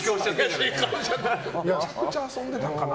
めちゃくちゃ遊んでたのかな。